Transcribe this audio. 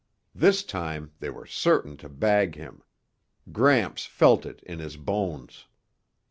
This time they were certain to bag him; Gramps felt it in his bones.